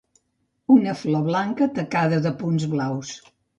Una flor blanca tacada de punts blaus.